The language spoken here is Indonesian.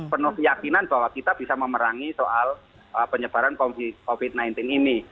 penuh keyakinan bahwa kita bisa memerangi soal penyebaran covid sembilan belas ini